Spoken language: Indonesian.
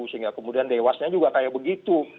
sehingga kemudian dewasnya juga kayak begitu